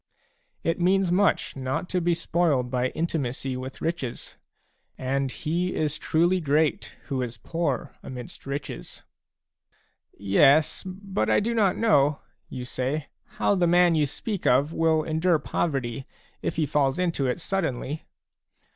It means much not to be spoiled by intimacy with riches ; and he is truly great who is poor amidst riches. " Yes, but I do not know," you say, "how the man you speak of will endure poverty, if he falls into it suddenly.